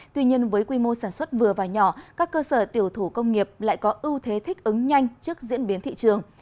tuy nhiên với quy mô sản xuất vừa và nhỏ các cơ sở tiểu thủ công nghiệp lại có ưu thế thích ứng nhanh trước diễn biến thị trường